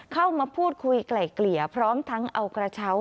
เข้ามาพูดคุยไกล่เกลี่ยพร้อมทั้งเอากระเช้า